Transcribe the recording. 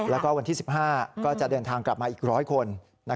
แล้วก็วันที่๑๕ก็จะเดินทางกลับมาอีก๑๐๐คน